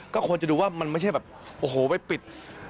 ก็ควรจะดูว่ามันไม่ใช่แบบโอ้โหไปปิด